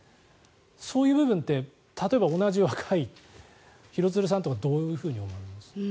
そういう部分って例えば同じ、若い廣津留さんとかどういうふうに思いますか？